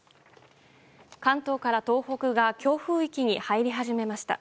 関東から東北が強風域に入り始めました。